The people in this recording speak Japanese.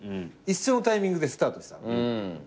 一緒のタイミングでスタートした。